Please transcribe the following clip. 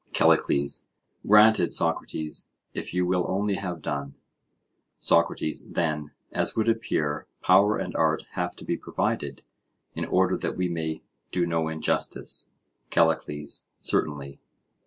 CALLICLES: Granted, Socrates, if you will only have done. SOCRATES: Then, as would appear, power and art have to be provided in order that we may do no injustice? CALLICLES: Certainly.